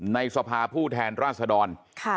ในสภาผู้แทนราชดร